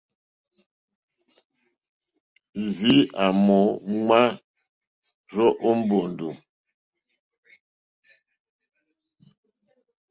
Rzìi a mò uŋmà syo o mbòndò.